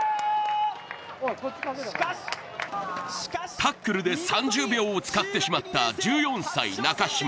タックルで３０秒を使ってしまった１４歳中島。